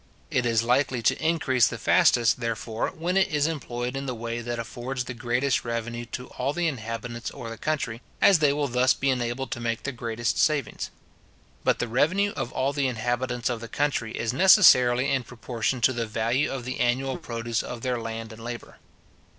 It is likely to increase the fastest, therefore, when it is employed in the way that affords the greatest revenue to all the inhabitants or the country, as they will thus be enabled to make the greatest savings. But the revenue of all the inhabitants of the country is necessarily in proportion to the value of the annual produce of their land and labour.